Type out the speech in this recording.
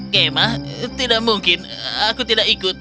kema tidak mungkin aku tidak ikut